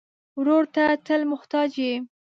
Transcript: ورور ته تل محتاج یې.